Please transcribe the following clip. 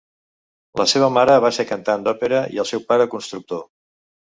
La seva mare va ser cantant d'òpera i el seu pare constructor.